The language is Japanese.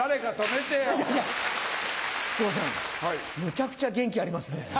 めちゃくちゃ元気ありますね。